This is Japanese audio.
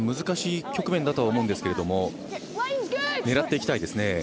難しい局面だとは思うんですが狙っていきたいですね。